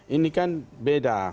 ini kan beda